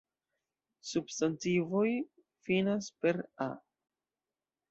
Substantivoj finas per -a.